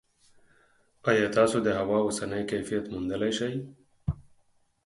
ایا تاسو د هوا اوسنی کیفیت موندلی شئ؟